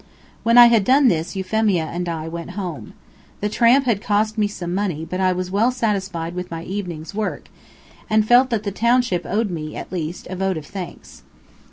When I had done this Euphemia and I went home. The tramp had cost me some money, but I was well satisfied with my evening's work, and felt that the township owed me, at least, a vote of thanks.